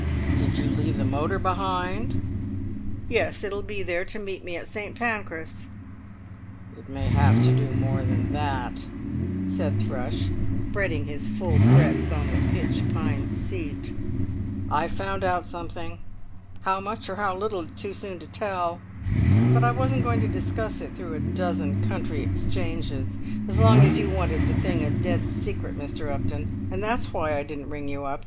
"Did you leave the motor behind?" "Yes; it'll be there to meet me at St. Pancras." "It may have to do more than that," said Thrush, spreading his full breadth on the pitch pine seat. "I've found out something; how much or how little it's too soon to tell; but I wasn't going to discuss it through a dozen country exchanges as long as you wanted the thing a dead secret, Mr. Upton, and that's why I didn't ring you up.